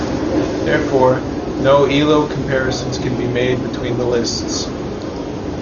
Therefore, no Elo comparisons can be made between the lists.